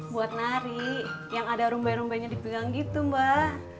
buat nari yang ada rumbanya rumbanya dibilang gitu mbak